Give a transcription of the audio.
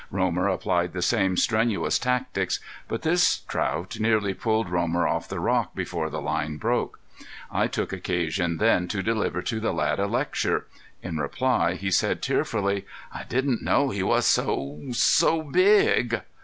Romer applied the same strenuous tactics. But this trout nearly pulled Romer off the rock before the line broke. I took occasion then to deliver to the lad a lecture. In reply he said tearfully: "I didn't know he was so so big."